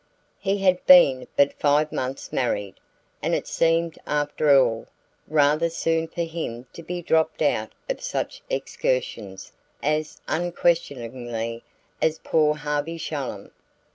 He had been but five months married, and it seemed, after all, rather soon for him to be dropped out of such excursions as unquestioningly as poor Harvey Shallum.